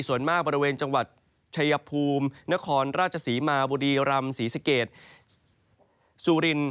ส่วนมากบริเวณจังหวัดชายภูมินครราชศรีมาบุรีรำศรีสเกตสุริน